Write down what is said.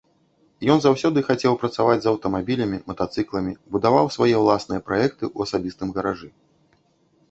Ён заўсёды хацеў працаваць з аўтамабілямі, матацыкламі, будаваў свае ўласныя праекты ў асабістым гаражы.